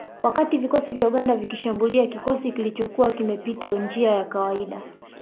Wakati vikosi vya Uganda vikikishambulia kikosi kilichokuwa kimepita njia ya kawaida